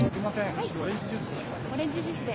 はいオレンジジュースで。